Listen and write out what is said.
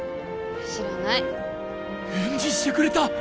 知らない返事してくれた！